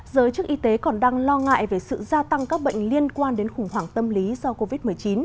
giới chức y tế còn đang lo ngại về sự gia tăng các bệnh liên quan đến khủng hoảng tâm lý do covid một mươi chín